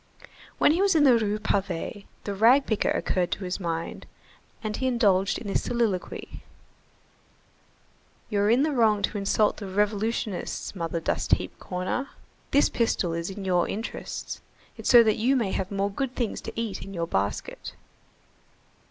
When he was in the Rue Pavée, the rag picker occurred to his mind, and he indulged in this soliloquy:— "You're in the wrong to insult the revolutionists, Mother Dust Heap Corner. This pistol is in your interests. It's so that you may have more good things to eat in your basket."